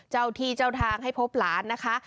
เจ้าที่เจ้าทางให้พบหลานนะคะ